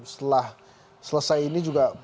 setelah selesai ini juga